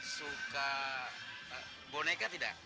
suka boneka tidak